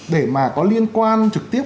để mà có liên quan trực tiếp